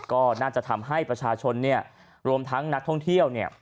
ก็น่าจะทำให้ประชาชนเนี่ยรวมทั้งนักท่องเที่ยวเนี่ย